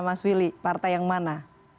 mas willy partai yang mana